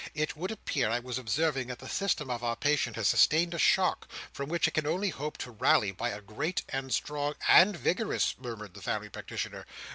It would appear, I was observing, that the system of our patient has sustained a shock, from which it can only hope to rally by a great and strong—" "And vigorous," murmured the family practitioner.